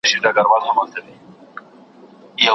کله چي هيلې ختمې سي څه پېښيږي؟